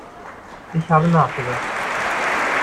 Ich habe nachgedacht.